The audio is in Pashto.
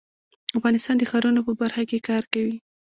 افغانستان د ښارونو په برخه کې کار کوي.